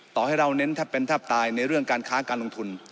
ต่อให้เราเน้นแทบเป็นแทบตายในเรื่องการค้าการลงทุน